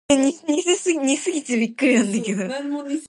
Unlike other nitrates it reacts with water to produce nitrogen dioxide.